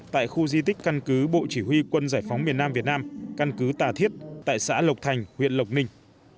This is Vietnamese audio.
tại khu di tích căn cứ bộ chỉ huy quân giải phóng miền nam việt nam căn cứ tà thiết tại xã lộc thành huyện lộc ninh